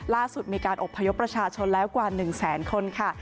ล่าสุดมีการอบพยพประชาชนแล้วกว่า๑แสนคนค่ะ